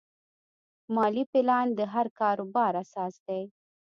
مالي پلان د هر کاروبار اساس دی.